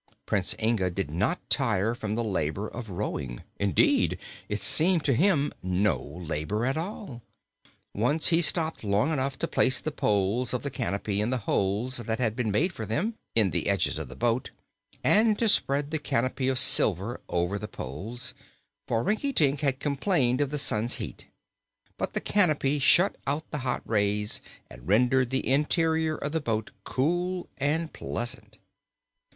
Prince Inga did not tire from the labor of rowing; indeed, it seemed to him no labor at all. Once he stopped long enough to place the poles of the canopy in the holes that had been made for them, in the edges of the boat, and to spread the canopy of silver over the poles, for Rinkitink had complained of the sun's heat. But the canopy shut out the hot rays and rendered the interior of the boat cool and pleasant.